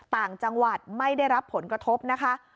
ต่างจังหวัดไม่ได้รับผลกระทบนะคะ